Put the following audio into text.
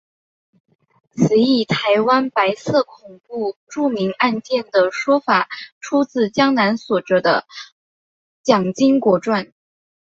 此一台湾白色恐怖著名案件的说法出自江南所着的蒋经国传。